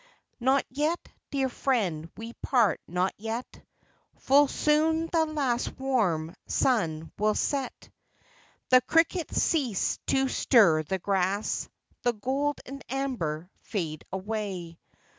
Not yet, dear friend, we part, not yet ; Full soon the last warm sun will set ; The cricket cease to stir the grass ; The gold and amber fade away ; 77 78 IND/AN S UMMER.